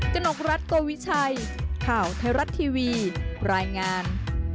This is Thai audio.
กนกรัฐโกวิชัยข่าวไทยรัฐทีวีรายงาน